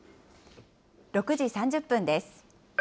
６時３０分です。